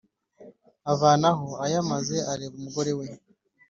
avanaho ayamaze areba umugore we.